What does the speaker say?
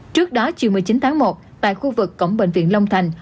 trước đó chiều một mươi chín tháng một tại khu vực cổng bệnh viện long thành